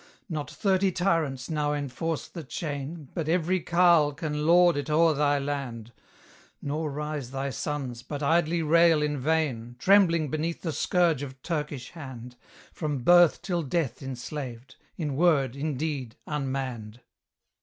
Not thirty tyrants now enforce the chain, But every carle can lord it o'er thy land; Nor rise thy sons, but idly rail in vain, Trembling beneath the scourge of Turkish hand, From birth till death enslaved; in word, in deed, unmanned.